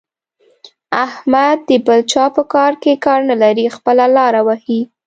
احمد د بل چا په کار کې کار نه لري؛ خپله لاره وهي.